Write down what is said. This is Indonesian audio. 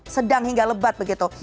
sedang hingga lebat begitu